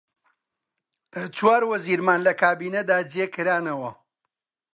چوار وەزیرمان لە کابینەدا جێ کرانەوە: